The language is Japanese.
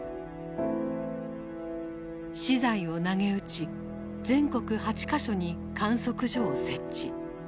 私財をなげうち全国８か所に観測所を設置。